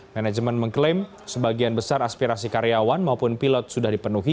manajemen mengklaim sebagian besar aspirasi karyawan maupun pilot sudah dipenuhi